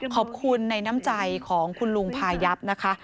ขอบคุณในน้ำใจของคุณลุงพายับนะคะ